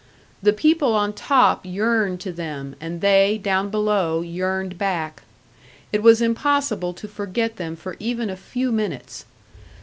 The people on top yearned to them, and they, down below, yearned back. It was impossible to forget them for even a few minutes.